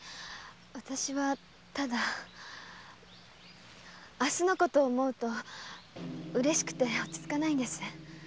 私はただ明日の事を思うとうれしくて落ち着かないんです。